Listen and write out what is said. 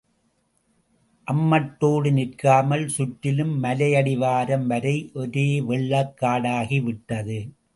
அம்மட்டோடு நிற்காமல் சுற்றிலும் மலையடிவாரம் வரை ஒரே வெள்ளக்காடாகி விட்டது!